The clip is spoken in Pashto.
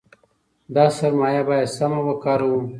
دا سرمایه باید سمه وکاروو.